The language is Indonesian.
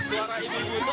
suara ini untuk pengolahan